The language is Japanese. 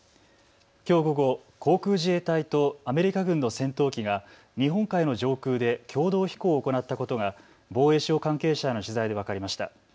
きょう午後、航空自衛隊とアメリカ軍の戦闘機が日本海の上空で共同飛行を行ったことが防衛省関係者への取材で分かりました。